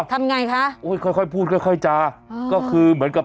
ทำไงคะโอ้ยค่อยค่อยพูดค่อยค่อยจาก็คือเหมือนกับ